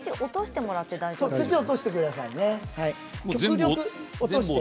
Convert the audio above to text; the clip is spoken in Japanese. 土を落としてくださいね。